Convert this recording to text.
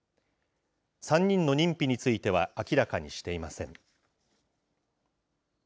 ３人の認否については明らかにしていません。